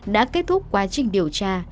đã kết thúc quá trình điều tra